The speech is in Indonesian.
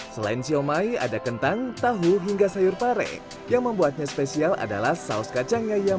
selain siomay ada kentang tahu hingga sayur pare yang membuatnya spesial adalah saus kacangnya yang